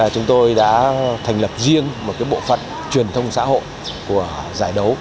chúng tôi đã thành lập riêng một bộ phận truyền thông xã hội của giải đấu